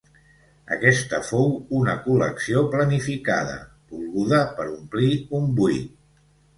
Aquesta fou una col·lecció planificada, volguda per omplir un buit.